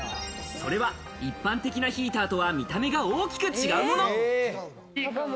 それは一般的なヒーターとは見た目が大きく違うもの。